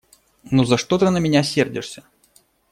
Ну за что ты на меня сердишься?